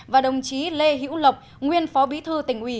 và đồng chí lê hữu lộc nguyên phó bí thư tỉnh ủy